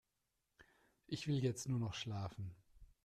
Ich will jetzt nur noch schlafen.